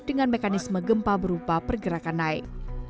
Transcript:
dengan mekanisme gempa berupa pergerakan naik